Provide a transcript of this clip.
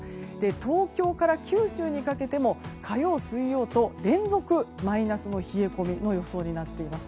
東京から九州にかけても火曜、水曜と連続のマイナスの冷え込みの予想になっています。